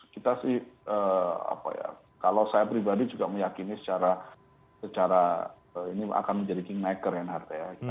kita sih kalau saya pribadi juga meyakini secara ini akan menjadi kingmaker yang harusnya